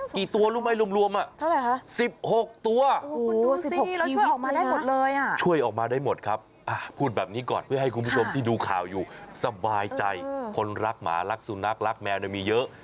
กี่ตัวมั้ยรวม